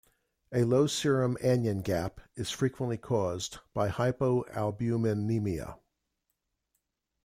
A low serum anion gap is frequently caused by hypoalbuminemia.